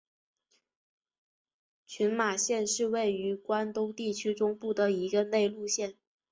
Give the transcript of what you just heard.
群马县是位于关东地方中部的一个内陆县。